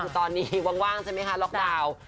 ตอนนี้ว่างใช่ไหมคะล็อกดาวน์